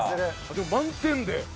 でも満点で。